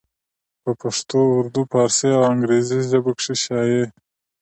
پۀ پښتو اردو، فارسي او انګريزي ژبو کښې شايع